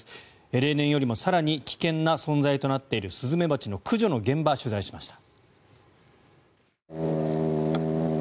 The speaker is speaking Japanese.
例年よりも更に危険な存在となっているスズメバチの駆除の現場を取材しました。